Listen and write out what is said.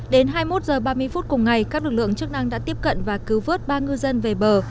đến hai mươi một h ba mươi phút cùng ngày các lực lượng chức năng đã tiếp cận và cứu vớt ba ngư dân về bờ